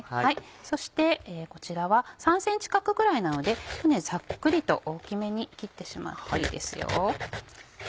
そしてこちらは３ｃｍ角ぐらいなのでざっくりと大きめに切ってしまっていいですよ。